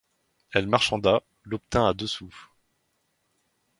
Elle marchanda, l’obtint à deux sous.